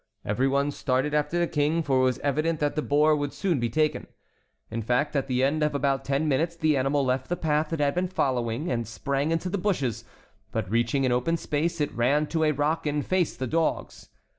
Everyone started after the King, for it was evident that the boar would soon be taken. In fact, at the end of about ten minutes the animal left the path it had been following, and sprang into the bushes; but reaching an open space, it ran to a rock and faced the dogs.